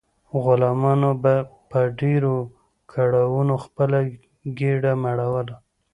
غلامانو به په ډیرو کړاوونو خپله ګیډه مړوله.